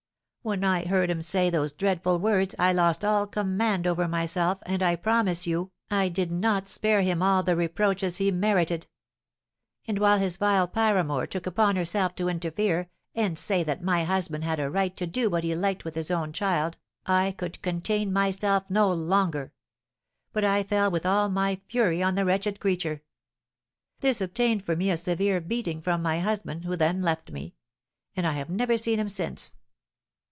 "When I heard him say those dreadful words I lost all command over myself, and, I promise you, I did not spare him all the reproaches he merited. And when his vile paramour took upon herself to interfere, and say that my husband had a right to do what he liked with his own child, I could contain myself no longer; but I fell with all my fury on the wretched creature. This obtained for me a severe beating from my husband, who then left me; and I have never seen him since."